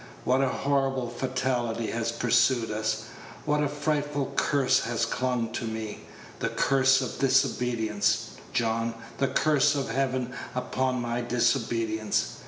What a horrible fatality has pursued us! what a frightful curse has clung to me! The curse of disobedience, John the curse of Heaven upon my disobedience.